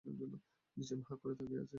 নিজাম হাঁ করে তাকিয়ে আছে।